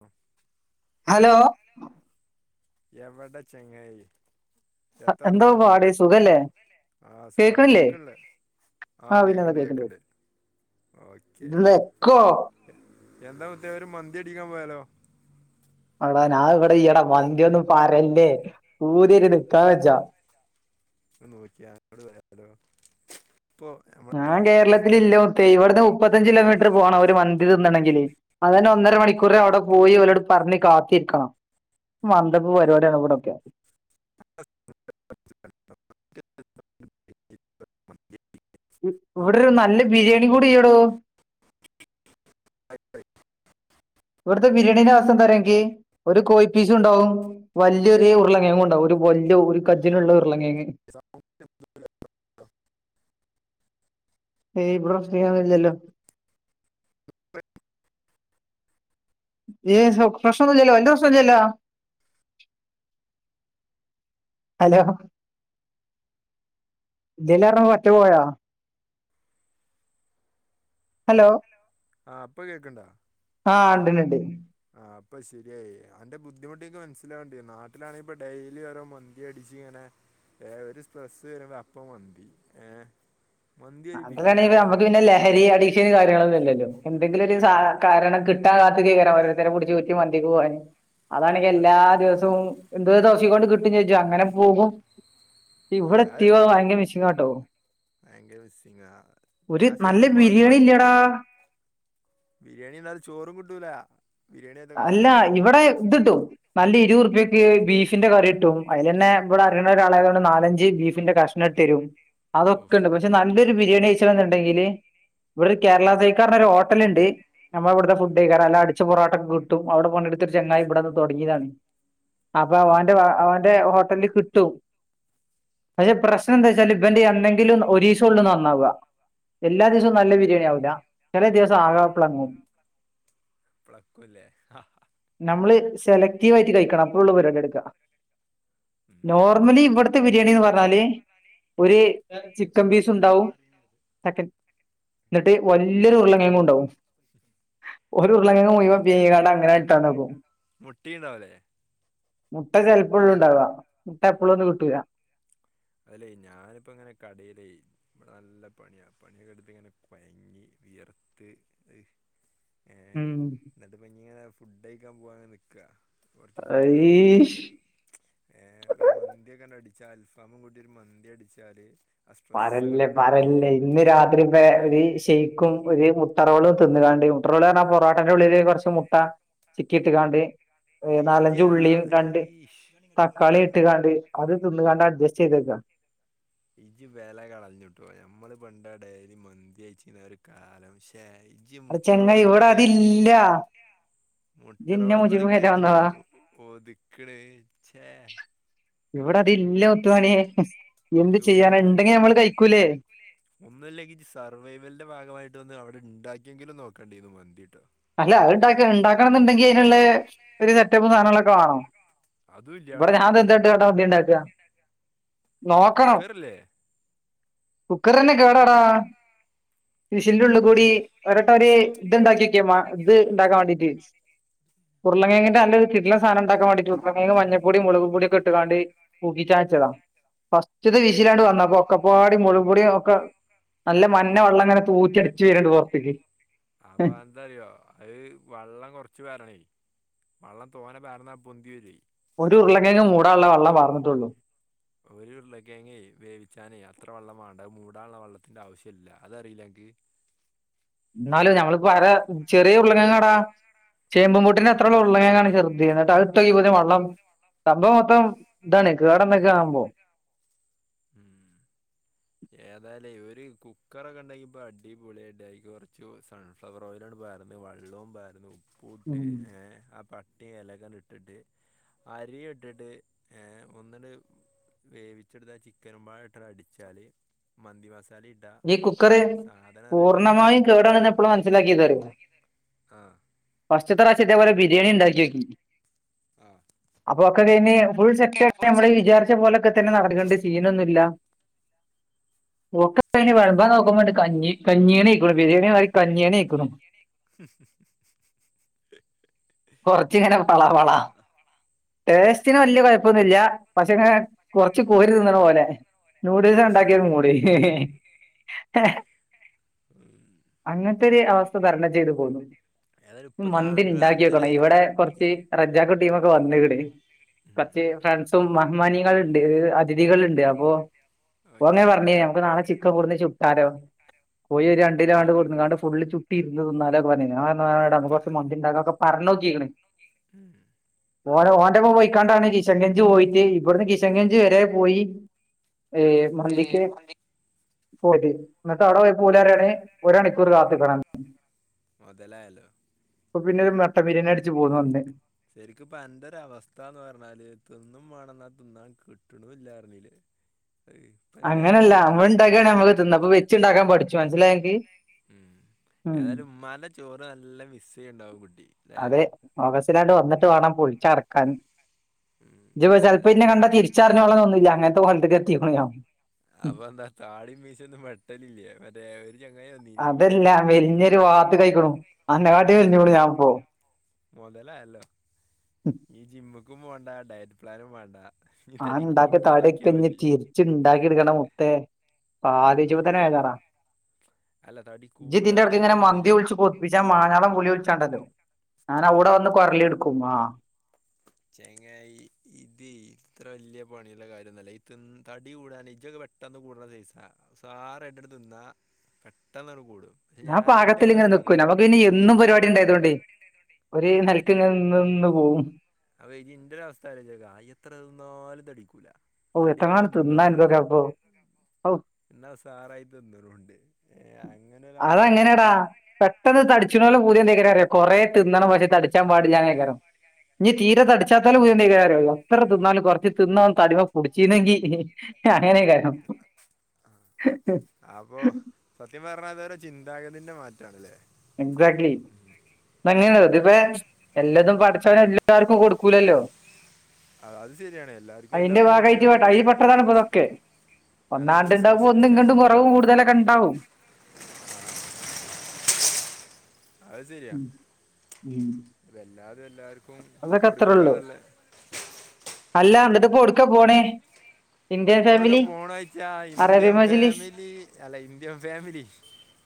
മ് ഹലോ എവിടെ ചെങ്ങായി ജെത്ത എന്തോ വർത്താനം പാടി സുഖല്ലേ ആ സുഖമാണ് കേക്കണില്ലേ കേക്കൺല്ലേ ആ ആഹ് പിന്നെ കേക്ക്ണ്ട് കേക്ക്ണ്ട് ഓക്കേ ഇത് വെക്കോ എന്താ കൊച്ചേ ഒരു മന്തി അടിക്കാൻ പോയാലോ എടാ ഞാ ഇവിടെ ഈയെട മന്തിയൊന്നും പറല്ലേ പൂതിയൊരുത് നിക്കാ വെച്ചാ നോക്കിയ ങ്ങട്ട് വരാ ഇപ്പൊ ഞമ്മളെ നാട്ടില് [unintelligible] ദേ യിവിടുന്ന് മുപ്പത്തഞ്ചിലോമീറ്ററ് പോണം ഒര് മന്തി തിന്നണെങ്കില് അതിന് ഒന്നര മണിക്കൂർ അവിടെ പോയി ഓലോട് പറഞ്ഞ് കാത്തിരിക്കണം മന്ദപ്പ് പരിപാടിയാണ് ഇവിടൊക്കെ [inaudible] ഇവിടൊരു നല്ല ബിരിയാണി കൂടിയിയ്യടോ [inaudible] ഇവിടത്തെ ബിരിയാണിന്റെ അവസ്ഥ എന്താറിയോങ്ങക്കി ഒരു കോഴി പീസും ഉണ്ടാവും വലിയൊരു ഉരുളങ്ങേങ്ങ് ഉണ്ടാവും ഒരു വലിയ ഒരു കജിനുള്ള ഉരുളങ്ങേങ്ങ് [inaudible] ഏയ് ഇവിടെ ഫ്രീയൊന്നുല്ലല്ലോ [unintelligible] പ്രശ്നൊന്നില്ലല്ലോ എന്ത് പ്രശ്നൊയില്ലല്ലോ അലോ ഇതിനൊറണം വട്ടുപോയോ ഹലോ ആഹ് പ്പ കേക്ക്ണ്ടോ ആഹ് ണ്ട് ലിണ്ട് ആഹ് പ്പ ശരിയായി അന്റെ ബുദ്ധിമുട്ടെനിക്ക് മനസ്സിലാവണ്ടിനു നാട്ടിലാണെപ്പൊ ഡെയിലി ഓരോ മന്തി അടിച്ച് ഇങ്ങനെ ഏ ഒരു സ്ട്രെസ്സ് വരുമ്പോ അപ്പ മന്തി ഏ നാട്ടിലാണെ നമുക്ക് പിന്നെ ലഹരി അഡിക്ഷന് കാര്യങ്ങളൊന്നും ഇല്ലല്ലോ എന്തെങ്കിലും ഒരു സാ അതെന്നെ കാരണം കി ട്ടാകാത്ത ഇങ്ങനെ ഓരോരുത്തരെ പുടിച്ച കുറ്റി മന്തിക്ക് പോകാന് അതാണെങ്കി അത് എല്ലാ ദിവസവും എന്തോ ദോശ കൊണ്ട് കിട്ടും ചോദിച്ചോ അങ്ങനെ പോകും ഇവിടെ അത് എത്തിയോ ഭയങ്കര മിസിങ്ങാട്ടോ ഭയങ്കര മിസിങ്ങാ ഒരു ഞാൻ നല്ല ശരിക്കും മൻ ബിരിയാണി മൻ ഇല്ലടാ ബിരിയാണിയല്ലാതെ ചോറും കിട്ടൂല ബിരിയാണി അല്ല അതൊക്കൊന്നല്ല ഇവിടെ ഇതിടും നല്ല ഇരുവറുപ്യയ്ക്ക് ബീഫിന്റെ കറി കിട്ടും അയിലന്നെ ഇവിടെ അറിയുന്ന ഒരാളായതുകൊണ്ട് നാലഞ്ച് ബീഫിന്റെ കഷ് ന്നട്ടരും ഓഫ് അതൊക്കെണ്ട് പക്ഷെ നല്ലൊരു ബിരിയാണി കഴിച്ചണന്നൊണ്ടെങ്കില് ഇവിടെ ഒരു കേരള സൈക്കാറഞ്ഞൊരു ഹോട്ടല്ണ്ട് നമ്മ ഇവിടുത്തെ ഫുഡ് കാരണം നല്ല അടിച്ച പൊറോട്ട കി ട്ടും അവിടെ പണി എടുത്ത ഒരു ചങ്ങായി ഇവിടെ വന്ന് തുടങ്ങിയതാണ് അപ്പൊ ഓന്റെ ഓന്റെ ഹോട്ടലില് കിട്ടും അതിലെ പ്രശ്നം എന്താച്ചാല് ഇവന്റെ എന്നെങ്കിലും ഒരീസോള്ളൂ നന്നാവുക എല്ലാ ദിവസവും നല്ല ബിരിയാണി ആവൂല്ല ചെല ദിവസം ആകാപ്ലങ്ങും പ്ലക്കൂല്ലേ ഞമ്മള് സെലക്റ്റീവായിട്ട് കഴിക്കണം അപ്പോള്ളൂ പരിപാടിയെടുക്കാ ഉം നോർമലി ഇവിടത്തെ ബിരിയാണിന്ന് പറഞ്ഞാല് ഒരു ചിക്കൻ പീസുണ്ടാവും തെക്കൻ എന്നിട്ട് വല്യയൊരു ഉരുള കെഴങ്ങുണ്ടാവും ഒരു ഉം ഉരുളകെഴങ്ങ് മുഴുവേം വേവിക്കാണ്ടങ്ങനെ ഇട്ടാണ്ടാക്കും മുട്ടയിണ്ടാവല്ലേ മുട്ട ചെലപ്പോഴുണ്ടാവാ മുട്ട എപ്പളുവൊന്നും കിട്ടൂല അയിലെ ഞാനിപ്പോ ഇങ്ങനെ കടേലെ ഇവടെ നല്ല പണിയാ പണിയൊക്കെ എടുത്തിങ്ങനെ കുയങ്ങി വിയർത്ത് അഹ് ഉം എന്നിട്ടപ്പഞ്ഞിങ്ങനെ ഫുഡ് കഴിക്കാൻ പോവാൻ നിക്ക കുറച്ച് ഫുഡ് അയീഷ് ഒരു ഏഹ് ഒരു മന്തിക്കെ അടിച്ചാ അൽഫാമും കൂട്ടി ഒരു മന്തി അടിച്ചാല് ആ സ്ട്രെസ് പറല്ലേ അങ്ങട് പോവും പറല്ലേ ഇന്ന് രാത്രി ഇപ്പ ഒരു ഷെയ്ക്കും ഒരു മുട്ടറോളും തിന്ന്ങ്ങാണ്ട് ട്ട്റോള് അർഞ്ഞ പൊറോട്ടേന്റെ ഉള്ളില് കുറച്ച് മുട്ട ചിക്കി ഇട്ടിക്കാണ്ട് ഈജ് ആ നാലഞ്ചുള്ളിയും രണ്ട് തക്കാളി ഇട്ട്കാണ്ട് അത് തിന്നുകാണ്ട് അഡ്ജസ്റ്റ് ചെയ്തേക്കാ [unintelligible] ഇജ്ജി വെല കളഞ്ഞുട്ടോ ഞമ്മള് പണ്ട് ആ ഡെയിലി മന്തി കയിച്ചിരുന്ന ഒരു കാലം ശ്ശേ ജ്ജി മു ഇന്നാ ഇവിടെ അതില്ല ഇജ്ജ് ഇന്നെ മുട്ടറോളു മുജീബും മ്മളെക്ക് കേറ്റാൻ ക്ക് എന്താ വന്നതാ ഒതുക്ണ് ച്ചേ ഇവിടെ അതില്ല മുത്തുമണീ എന്ത് ചെയ്യാന ണ്ടെങ്കി ഞമ്മള് കയി ക്കൂലേ ഒന്നല്ലങ്കി സർവൈവലിന്റെ ഭാഗമായിട്ട് വന്ന് അവിടെ ഇണ്ടാക്കിയെങ്കിലും നോക്കണ്ടിന്നു മന്തിട്ടോ അല്ല അത്ണ്ടക്ക ഇണ്ടാക്കണം ന്ന്ണ്ടെങ്കി അതിനുള്ള ഒരു സെറ്റപ്പും സാനങ്ങളൊക്കെ വേണം അതും ഇല്ല ഇവടെ അവിടെ ഞാൻത് എന്തണ്ടാണ്ടാ മന്തി ണ്ടാക്ക നോക്കണം കുക്കറില്ലേ കുക്കറെന്നെ കേടാടാ വിഷിന്റെ ഉള്ളി ഈ കൂടി ഒരട്ടര് ദ് ണ്ടാക്കിക്ക്‌ മ്മ [inaudible] താക്കാവേണ്ടിട്ട് ളക്കേങ്‌ മഞ്ഞ പൊടി മുളക് പൊടി ഒക്കെ ഇട്ട്ക്കാണ്ട് പൂക്കിച്ചാച്ചതാ ഫസ്റ്റ്ത്തെ വിശിലണ്ട് വന്ന അപ്പൊ ഒക്കപ്പാടി മോള പൊടിയും ഒക്ക നല്ല മഞ്ഞ വെള്ളംങ്ങനെ വര്ണ്ട് പൊറത്ത്ക്ക് [unintelligible] അപ്പൊ ന്തറിയോ അയ് വള്ളം കൊറച്ച് പാരണേ വെള്ളം തോന പാർന്ന പൊന്തി വരുയ് ഒരു ഉരുളക്കേങ്ങ് മൂടാൻള്ള വെള്ളാ പാർന്നിട്ടുള്ളൂ ഒരു ഉരുളക്കെങ്ങേ വേവിച്ചാന് അത്ര വള്ളം വേണ്ട അത് മൂടാനുള്ള വള്ളത്തിൻ്റെ ആവശ്യല്ല അതറിയില്ലേ അനക്ക് എന്നാലും ഞമ്മള് പറ ചെറിയ ഉർള്ളക്കേങ്ങടാ ചേബിൻ കൂട്ടിന്റെ ഉം അത്രയോള്ളങ്ങാണ് ചെറുതീ എന്നിട് അടു തോയ് വെള്ളം സംഭവം മൊത്തം ഇതാണ് കേടന്ന്ക്കാ ആവുമ്പോ ഉം ഏതായാലും ഓര് കുക്കറൊക്കെ ഇണ്ടെങ്കി ഇപ്പൊ അടിപൊളി ആയി അയ്ക്ക് കൊറച് സൺ ഫ്ലവറോയിൽ അങ്ങട് പാർന്ന് വള്ളോം പാർന്ന് ഉപ്പൂട്ട് ഉം. ഏ ആ പ ട്ടിയ ഇലക്കങ്ങട്ട് ഇട്ടിട്ട് അരിയും ഇട്ടിട്ട് ഏ ഒന്നട്ട് വേവിച്ചെടുത്താ ചിക്കനും പാടെട്ട അടിച്ചാല് മന്തി മസാല ഇ ഈ കുക്കറ് പൂർണ്ണമായും കേടാണെന്ന് എപ്പോള മനസ്സിലാക്കിയതറിയോ ആഹ് ഫസ്റ്റത്തെ റാവിശം ഇതേ പോലെ ബിരിയണി ഇണ്ടാക്കിയോക്കി ആഹ് അപ്പൊക്കെ കഴിഞ്ഞ് ഫുൾ സെറ്റ്‌ മ്മള് വിചാ പോലൊക്കെ തന്നെ നടണ്ട് സീനൊന്നുല്ലാ ഒക്കെ കയിഞ്ഞ് വെളമ്പാൻ നോ പ്പൊങ്ങട് കഞ്ഞി കഞ്ഞീയാണി ക്കുണു ബിരിയാണി മാറി കഞ്ഞിയാണി ആയിക്കുണു ഹും ഹും കൊറച്ചിങ്ങനെ വള വളാ ടേസ്റ്റിന് വല്യ കുഴപ്പൊന്നുല്ല്യ പക്ഷെങ്ങെ കൊറച്ച് കോരി തിന്നണ പോലെ നൂഡിൽസ് ഉണ്ടാക്കിയൊരു മൂഡ് ഉം അങ്ങനത്തെരു അവസ്ഥ തരണം ചെയ്തു പോന്നു ഏതായാലും ഇപ്പൊ മന്തി താങ്കൾ അന്റൊരു ണ്ടാക്കിഓക്കണം ഇവിടെ കുറച്ച് റജ്ജാക്കു ടീമൊക്കെ വന്നീക്കുണ് ഉം കൊറച് ഫ്രണ്ട്സും മഹിമാണികളുണ്ട് അതിഥികളുണ്ട് അപ്പോ ഓൻ ഇങ്ങനെ ഓക്കെ പറഞ്ഞ് ഞമ്മക്ക് നാളെ ചിക്കൻ ഇവ്ടുന്ന് ചുട്ടാലോ? കോയി അപ്പൊ രണ്ടിലാണ്ട് കൊട്ന്നുങ്ങാണ്ട് ഫുള്ള് ചു ട്ടിര്ന്ന് തിന്നാലൊക്കേ പറഞ്ഞിന് നമ്മക്ക് കൊറച് മന്തിണ്ടാക്ക ഒക്കെ പറഞ്ഞോക്കിക്ക്ണ് [inaudible] ഓള് ഓന്റെപ്പം പോയിക്കാണ്ടാണ് കിഷൻഗഞ്ച് പോയിട്ട് ഇവിടുന്ന് കിഷൻഗഞ്ചി വരെ പോയി ഏയ് മന്തിക്ക് പോയതേനി ഇന്നട്ട് അവിടെ പോയപ്പോല് ഉം ഓല് പറായാണ് ഒരണിക്കൂർ കാത്ത്ക്കണം മുതലായല്ലോ അപ്പൊ പിന്നെ ഒരു മട്ടൻ ബിര്യേണി അടിച്ചു പോന്നു അന്ന് ശരിക്ക്‌ ഇപ്പ അന്റൊരവസ്ഥ എന്ന് പറഞ്ഞാല് തിന്നും വേണംന്നാ തിന്നാൻ കിട്ട്ണൂല്ലാ ർഞ്ഞീലേ [unintelligible] അങ്ങനെല്ല നമ്മളണ്ടാക്കാണെങ്കി നമ്മക്ക് തിന്ന. ഇപ്പ വെച്ചുണ്ടാക്കാൻ പഠിച്ചു മനസ്സിലായൊഅൻക്ക് ഉം ഏതായാലും ഇമ്മാന്റെ ചോറ് നല്ല മിസ്സെയ്യ്ണ്ടാവും കുട്ടി അല്ലേ അതെ, ഓഗസ്റ്റിലാണ്ട് വന്നിട്ട് വാണം പൊളിച്ചടക്കാൻ ഉം ഇജ് ചെലപ്പോ ഏതായാലും ഇന്നെ കണ്ടാ തിരിച്ചറിഞ്ഞോളണന്നൂല്ല അങ്ങനത്തെ കോലത്ത്ക്ക് എത്തീക്ക്ണു ഞാൻ ഉം. അപ്പൊ എന്താ താടീം മീസിം ഒന്നും വെട്ടലില്ലേ മറ്റേ ഒരു ജങ്ങായിവന്നി അതെല്ലാ മെലിഞ്ഞൊരു വാത്ത്ക്കയിക്ക്ണു അന്നെങ്കാട്ടിലും മെലിഞ്ഞുക്ക്‌ണു ഞാൻപ്പോ മൊതലായല്ലോ ഉം. ഈ ജിമ്മ്ക്കും പോണ്ട ഡയറ്റ് പ്ലാനും വേണ്ട ഈ തടി ആഇണ്ടാക്കിയ കൂട്ടാൻ നോക്കിയാ തടെക്കെഞ്ഞി മതി തീ ച്ച്ണ്ടാക്കി എടുക്കണ്ടാമുത്തേ ഉം, ആലോയ്ചുമ്പോ അത് തന്നെ ബേജാറാ അല്ല തടി ജ്ജിതിന്റെ കൂടാൻ എടക്ക്‌ ഇങ്ങനെ വലിയ മന്തി പണിയില്ല വിളിച്ച് കൊതിപ്പി ജ്ജാ മാനാളം വുളി വിളിച്ചാണ്ടല്ലോ ഞാൻ അവ്ടെ വന്ന് കൊരളി എടുക്കും ആഹ് ചേങ്ങായി, ഇത് ഇത്ര വല്ല്യയ പണിയിള്ള കാര്യംഒന്നല്ല ഈ തടി കൂടാനെ ഇജൊക്കെ പെ പെട്ടെന്ന് കൂടണെസയിസാ സാറായിട്ട്അങ്ങട്ട് തിന്ന പെട്ടെന്ന്അങ്ങട്ട് കൂടും പക്ഷെ ഞാൻ ഇന്റെ പാകത്തിലിങ്ങനെ നിക്കും അവസ്ഥക്കാ നമക്ക് പിന്നെ എന്നും പരിപാടി ഉണ്ടായതുകൊണ്ടേ ഒരു ആ നെൽ നിന്നിന്ന്പോകും അപ്പൊ ഇജിന്റെ ഒരു അവസ്ഥാലോ യ്ച്ചോക്ക എത്രതിന്നാലും തടിക്കൂല ഓ തടിമ്മെ എത്രങ്ങാനും ഒന്നും തിന്നാൻ കാണൂല ഇതൊക്കെ അപ്പൊ ഔ ഇന്നാ ഉസാറായി തിന്ന്ണൂണ്ട് ഏഹ് അങ്ങനൊരവസ്ഥേണ് ഇപ്പ അതങ്ങനെടാ ഇള്ളത് പെട്ടെന്ന് തടിച്ച്ണോലെ പൂതി എന്തേക്കാരം അറ്യോ കൊറേ തിന്നണം പക്ഷേ തട്ച്ചാൻ പാടില്ല ന്നെക്കാരം ഇനി തീരെ തടിച്ചാത്തോലെ പൂത്യന്തേക്കാരം അറിയോ എത്ര തിന്നാലും കാെർച്ച് തിന്നാം തടിമ്മെ പുടിച്ചീന്നെങ്കി അങ്ങനെക്കാരം അപ്പോ സത്യം പറഞ്ഞാഅത് ഓരോ ചിന്താഗതിന്റെ മാറ്റാണ്ല്ലേ എക്സാക്ട്ലി ഇത് അങ്ങനേണല്ലോ ഇതിപ്പേ എല്ലതും പഠച്ചാേന് എല്ലാർക്കും കൊടുക്കൂലല്ലോ അത് അത് ശരിയാണ് എല്ലാവർക്കും അയിന്റെ എല്ലാതും ഭാഗായിട്ട് കിട്ടിയപ്പോ ഇവിടെ ഇത് കയ്യിൽ പെട്ടതാണ്പ്പൊതൊക്കെ അല്ല ഒന്നാണ്ട് ഇതൊരു ണ്ടാവുമ്പൊ ഒന്ന് സോഷ്യലിസ്റ്റ് ഇങ്ങണ്ടും എക്കോണമി കുറവും ആവൂലേ കൂടുതലൊക്കെ ഉണ്ടാവും. അത് ശരിയാ ഉം ഉം ഇതിപ്പോ എല്ലാരും എല്ലാർക്കും കൊടുക്കാ ന്നുള്ള അല്ലാ ന്നട്ട് ഇപ്പൊ എവിട്ക്കാ പോണേ ഇന്ത്യൻ എവിടുക്ക ഫാമിലി പോണോയ്ച്ചാ അറേബ്യൻ ഇന്ത്യൻ മജ്ലിസ് ഫാമിലി അല്ല ഇന്ത്യൻ ഫാമിലി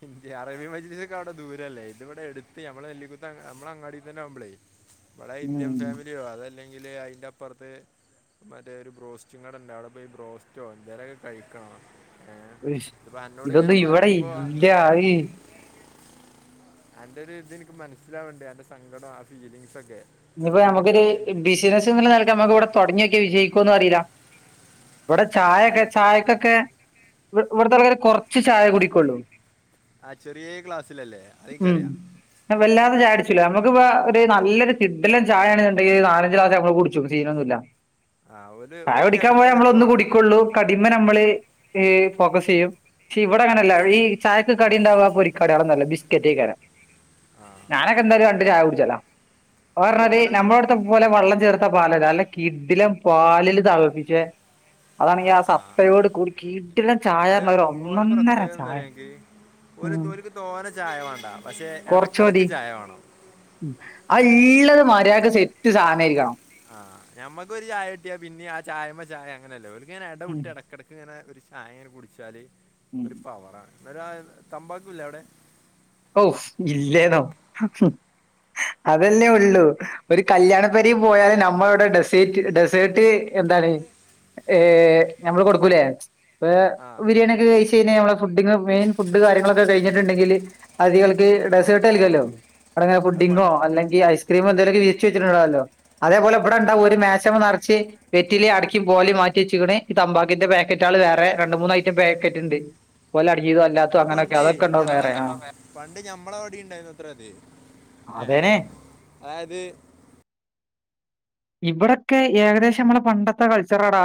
ഇന്ത് അറേബിയ മജീദൊക്കൊക്കെ അറേബ്യൻ മജിലിസിലേക്ക് അവടെദൂരല്ലേ ഇത് ഇവിടെ എടുത്ത് നമ്മള നെല്ലിക്കുത്ത്മ്മള അങ്ങാടി തന്നെ ആവുമ്പ ളേ ബടെ ഇന്ത്യൻ ഉം ഫാമിലിയോ അതല്ലെങ്കില് അതിന്റെ അപ്പുറത്ത് മറ്റേ ഒരു ബ്രോസ്റ്റുങ്ങട ഇണ്ടവിടെ പോയി ബ്രോസ്റ്റോ എന്തേലൊക്കെ കഴിക്കണോ ഏഹ് ഉയ്ശ്. ത്ഇപ്പൊ അന്നോട് ഇങ്ങനെ ഇതൊന്നും ഇവിടെ പറയുമ്പോ ഇല്ല ഈ അന്റെ ഒരു ഇത് ഇനിക്ക് മനസ്സിലാവണ്ട് അന്റെ സങ്കടോം ആ ഫീലിംങ്സ് ഒക്കെ ഇനിപ്പ നമുക്കൊരു ബിസിനസ് ന്ന് ള്ള നിലക്ക് നമുക്ക് ഇവ്ടെ തൊടങ്ങിയൊക്യാ വിജയിക്കോന്ന് അറിയീല ഇവ്ടെ അല്ല ചായൊക്കെ ചായക്കൊക്കേ ഇ ഇവിടുത്തെ ആൾക്കാര് കൊറച്ച് ചായേ കുടിക്കുള്ളൂ ആഹ് ചെറിയ ഗ്ലാസ്സിലല്ലേ ഉം അയിൻക്കറിയാ വല്ലാതെ ചായൊടിച്ചൂല നമുക്ക്പ്പ ഒരു നല്ലൊരു കിടിലൻ ചായയാണെന്നുണ്ടെങ്കില് നാലഞ്ച് ക്ലാസ് നമ്മള് കുടിച്ചും സീനൊന്നൂല്ല ആ ഒരു ചായ ഓർക്ക് കുടിക്കാൻ പോയ ഇടക്കിടക്ക് നമ്മളൊന്ന് വേണം കുടിക്കൊള്ളൂ കടിമ്മെ ഞമ്മള് ഏഹ് ഫോക്കസെയ്യും പക്ഷെ ഇവിടെ ഉം. അങ്ങനെല്ല ഈ ചായക്ക് കടി ഇണ്ടവാ പൊരിക്കട്യാളോന്നല്ല ബിസ്ക്കറ്റേക്കാരം ഞാനൊക്കെ എന്തായാലും രണ്ട് ചായ കുട്ച്ചലാ ഓ അതായത് അർഞ്ഞാതിരി ഓല സം- നമ്മളോട്ത്ത പോലെ വള്ളം ചേർത്ത പാലല്ല നല്ല കിഡിലം പാലില് തൾപ്പിച്ചെ അതാണെങ്കി ആ സത്തയോട് കൂടി കിടിലം ചായ അത് അർഞ്ഞാ ഒരൊന്നൊന്നര ചായ ഓല്ക്ക് ഉം ഓൽക്ക് തോന ചായ വാണ്ട പക്ഷെ കുറച്ചു എടക്കെടക്ക് മതി ചായ വാണം. ആ ഇള്ളത് മര്യാക്ക് സെറ്റ് സാനയ്ര്ക്കണം ആ ഞമ്മക്ക് ഒര് ചായട്ടിയാ പിന്നിം ആ ചായമ്മേ ചായ അങ്ങനെല്ലേ ഓൽക്കങ്ങനെ എട ഉം, വിട്ട് എടക്കെട് ക്ക് ങ്ങനെ ഒര് ചായ ങ്ങനെ കുടിച്ചാല് ഉം. ഒരു പവറാണ് [unintelligible] തമ്പാക്കുല്ലെ ഔടെ ഔ ഇല്ലേന്നോ അതല്ലേ ഒള്ളൂ ഒര് കല്ല്യാണം വരീ പോയാല് നമ്മള്ടെ ഡെസേറ്റ് ഡെസേട്ട് എന്താണ് ഏ ഞമ്മള് കൊടുക്കൂലേ പ്പെ ആ ബിരിയാണി ത് കഴിച് കയ്ഞാ നമ്മളെ ഫുഡ്ഡിങ് മെയ്ൻ ഫുഡ്ഡ് കാര്യങ്ങളൊക്കെ കഴ്ഞ്ഞിട്ട്ണ്ടെങ്കില് അതികൾക്ക് ഡെസേട്ട് നൽകല്ലോ ഇവടങ്ങനെ അത് ഫുഡ്ഡിങ്ങോ പണ്ട് അല്ലെങ്കി ഐസ് ക്രീമും എന്തേലൊക്കെ വിരിച്ച് വെച്ചിട്ടുണ്ടാവല്ലോ അതേപോല ബട പണ്ട് ണ്ടാവും ഒര് മേശമെ ന്നർച്ച് വെറ്റിലിം അടക്കിം പോലിം മാറ്റി എച്ചിക്ക്ണ് ഈ തമ്പാക്കിന്റെ പേക്കറ്റാള് വേറെ രണ്ട് മൂന്ന് ഐറ്റം പേക്കറ്റ് ഇണ്ട് [unintelligible] അടിഞീതും അല്ലാത്തും അത് അങ്ങനൊക്കെ പണ്ടേ അതൊക്കണ്ടാവും വേറെ ആ ഞമ്മ പണ്ട് ഞമ്മളവ്ടിം ഇണ്ടായിരുന്നു ഇത്രത് അതെനെ ഇബടൊക്കെ ഏകദേശം മ്മളെ പണ്ടത്ത കൾച്ചറാടാ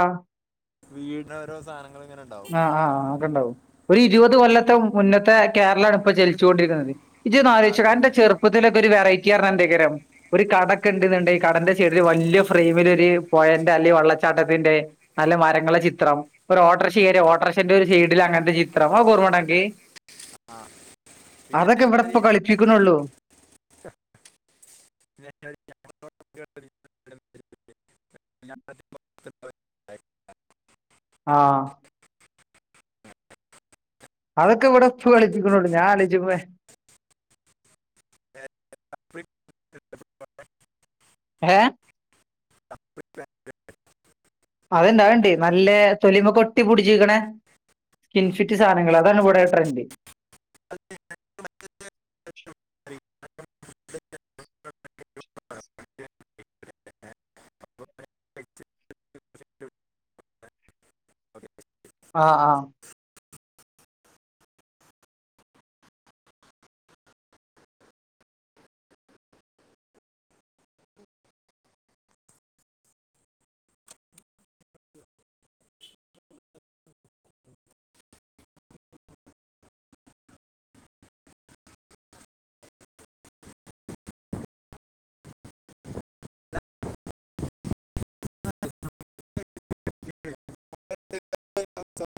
വീടാരോസാ ഞങ്ങള്ങ്ങനണ്ടാവും അ അ അ അവ്ട ഇണ്ടാവും ഒര് ഇരുവത് കൊല്ലത്തെ മുന്നത്തെ കേരളാണ് പ്പൊ ജെൽ [unintelligible] ഇജൊന്ന് ആലോയ്ചോകാ അന്റെ അതന്നെ ചെർപ്പത്തിലൊക്കൊര് വെറൈറ്റി അർഞാ എന്തയ്കാരം ഒര് കടക്കെണ്ട്ന്ന്ണ്ടെങ്കി കടന്റെ സൈഡില് വല്ല്യ ഫ്രെയ്മിലൊര് പൊഴൻ്റെ അല്ലെ വെള്ളച്ചാട്ടത്തിന്റെ നല്ല മരങ്ങള ചിത്രം ഒര് ഓട്ടർഷകേറിയാ ഓട്ടർഷന്റെ ഒര് സൈഡില് അങ്ങൻത്ത ചിത്രം [unintelligible] ഓർമണ്ടൻക്ക് അ അതൊക്കെ വ്വടെപ്പം കളിപ്പിക്ക്ണൊള്ളു ഇതേമാതിരി ഞങ്ങളോട് കുട്ടികള് പിന്നെ ഇതേമാതിരി [inaudible] ആഹ് അതൊക്കെ ഇവടെ പ്പം കളിപ്പിക്ക്ണൊള്ളൂ ഞാൻ ആലോയ്ച്ചപ്പെ ഏ പേക്കറ്റ് അത്ണ്ട് അത്ണ്ട് ന്നല്ലെ തൊലിമ്മക്കൊട്ടി പുടിച്ച്ക്ക്ണെ ഇൻഫിറ്റ് സാനങ്ങള് അതാണ് ഇവടെ ട്രൻ്റ് ഏപ്രിൽ ആ ആ